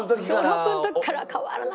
小６の時から変わらない。